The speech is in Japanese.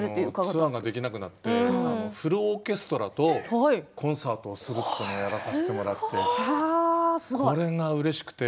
ツアーがやれなくなってフルオーケストラとコンサートをするということをやらさせていただいてこれがうれしくて。